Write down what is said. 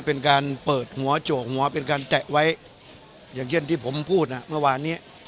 เป็นการเปิดหัวโจกหัวเป็นการแตะไว้อย่างเช่นที่ผมพูดอ่ะเมื่อวานเนี้ย